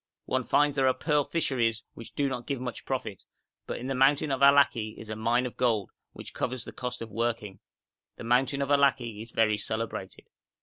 One finds there pearl fisheries which do not give much profit, but in the mountain of Allaki is a mine of gold, which covers the cost of working. The mountain of Allaki is very celebrated.'